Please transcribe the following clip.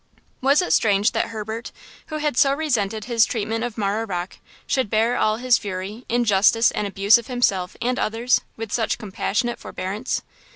Was it strange that Herbert, who had so resented his treatment of Marah Rocke, should bear all his fury, injustice and abuse of himself and others with such compassionate forbearance?